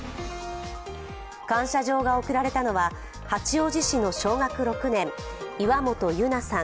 感謝状が贈られたのは八王子市の小学６年、岩本結菜さん